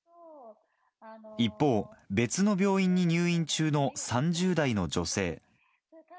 一方、別の病院に入院中の３０代の女性。